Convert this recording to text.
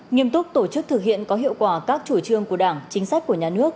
nghiêm túc tổ chức thực hiện có hiệu quả các chủ trương của đảng chính sách của nhà nước